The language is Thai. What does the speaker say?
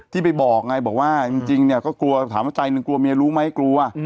ที่ไปบอกไงบอกว่าจริงเนี่ยก็กลัวถามว่าใจหนึ่งกลัวเมียรู้ไหมกลัว